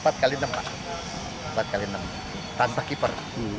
empat x enam tanpa keeper